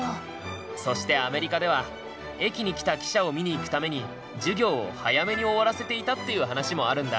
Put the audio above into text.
そしてアメリカでは駅に来た汽車を見に行くために授業を早めに終わらせていたっていう話もあるんだ。